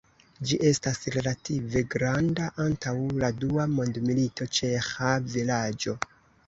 Ĝi estas relative granda, antaŭ la dua mondmilito ĉeĥa vilaĝo.